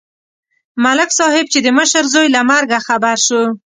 ملک صاحب چې د مشر زوی له مرګه خبر شو.